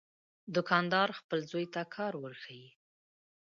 دوکاندار خپل زوی ته کار ورښيي.